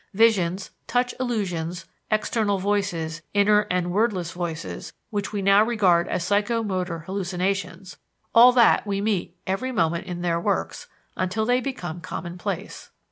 Visions, touch illusions, external voices, inner and "wordless" voices, which we now regard as psycho motor hallucinations all that we meet every moment in their works, until they become commonplace.